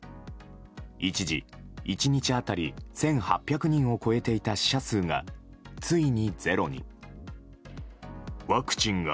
一時、１日当たり１８００人を超えていた死者数がついにゼロに。